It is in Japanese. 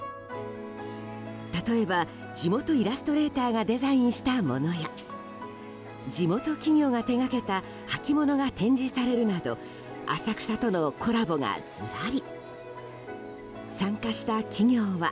例えば地元イラストレーターがデザインしたものや地元企業が手掛けた履物が展示されるなど浅草とのコラボがずらり。